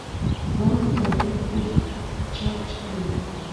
ځان په طبیعت کې چارج کړئ.